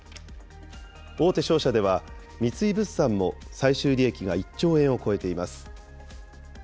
大手商社では、三井物産も最終利益が１兆円を超えています。